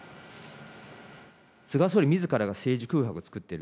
菅総理みずからが政治空白を作っている。